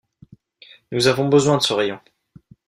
Nous avons besoin de ce rayon.